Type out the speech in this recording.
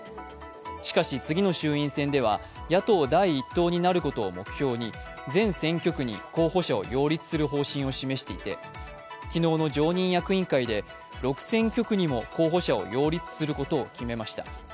しかし次の衆院選では野党第一党になることを目標に全選挙区に候補者を擁立する方針を示していて昨日の常任役員会で６選挙区にも候補者を擁立することを決めました。